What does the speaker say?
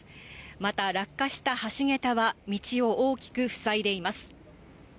また、落下した橋げたは道を大きく塞いでいます。